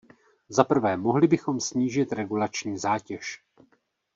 Za prvé, mohli bychom snížit regulační zátěž.